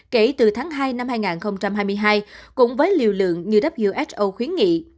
kể từ tháng hai năm hai nghìn hai mươi hai cùng với liều lượng như who khuyến nghị